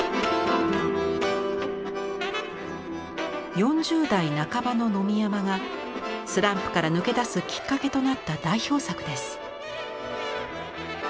４０代半ばの野見山がスランプから抜け出すきっかけとなった代表作です。